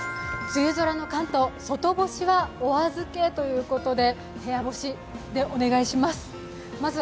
梅雨空の関東、外干しはお預けということで部屋干しでお願いします。